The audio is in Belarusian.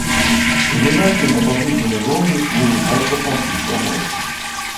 У гімназіі на паглыбленым роўні вывучаецца французская мова.